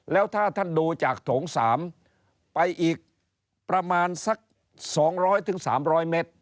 แล้วถ้าท่านดูจากโถง๓ไปอีกประมาณสัก๒๐๐๓๐๐เมตร